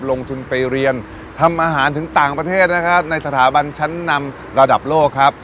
ลงทุนไปเรียนทำอาหารถึงต่างประเทศนะครับในสถาบันชั้นนำระดับโลกครับ